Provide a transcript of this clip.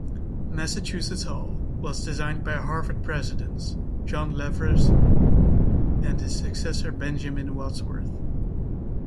Massachusetts Hall was designed by Harvard Presidents John Leverett and his successor Benjamin Wadsworth.